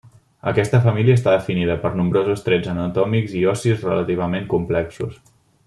Aquesta família està definida per nombrosos trets anatòmics i ossis relativament complexos.